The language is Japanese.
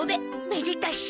めでたし！